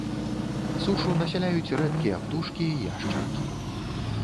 Сушу насяляюць рэдкія птушкі і яшчаркі.